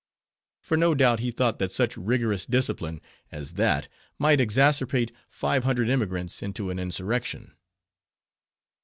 For no doubt he thought that such rigorous discipline as that might exasperate five hundred emigrants into an insurrection.